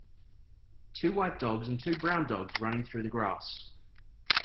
Two white dogs and two brown dogs running through the grass.